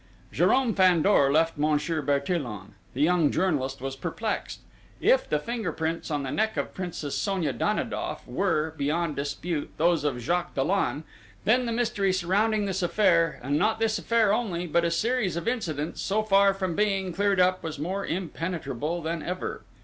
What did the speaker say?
Jérôme Fandor left Monsieur Bertillon. The young journalist was perplexed.... If the finger prints on the neck of Princess Sonia Danidoff were, beyond dispute, those of Jacques Dollon then the mystery surrounding this affair, and not this affair only, but a series of incidents, so far from being cleared up, was more impenetrable than ever!